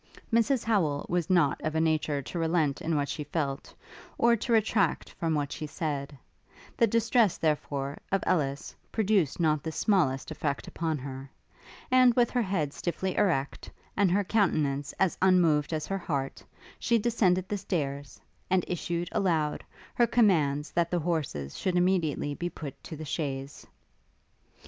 Mrs Howel was not of a nature to relent in what she felt, or to retract from what she said: the distress, therefore, of Ellis, produced not the smallest effect upon her; and, with her head stiffly erect, and her countenance as unmoved as her heart, she descended the stairs, and issued, aloud, her commands that the horses should immediately be put to the chaise.